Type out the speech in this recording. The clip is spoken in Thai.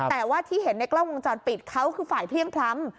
แต่ว่าที่เห็นในกล้องวงจรปิดเขาคือฝ่ายเพลี่ยงพล้ำ